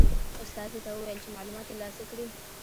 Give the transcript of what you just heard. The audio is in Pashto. استازي ته وویل چې معلومات ترلاسه کړي.